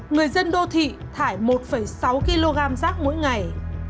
người dân đô thị thải một sáu kg chất thải mỗi ngày